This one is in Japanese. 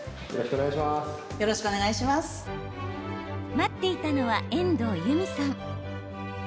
待っていたのは、遠藤由美さん。